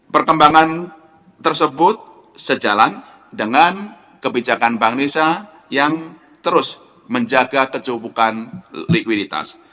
perkembangan tersebut sejalan dengan kebijakan bank indonesia yang terus menjaga kejubukan likuiditas